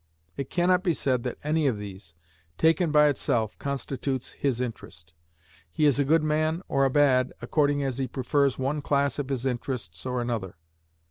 It can not be said that any of these, taken by itself, constitutes 'his interest:' he is a good man or a bad according as he prefers one class of his interests or another.